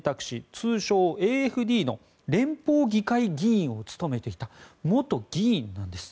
通称・ＡｆＤの連邦議会議員を務めていた元議員なんです。